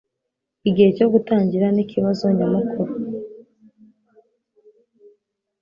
Igihe cyo gutangira nikibazo nyamukuru.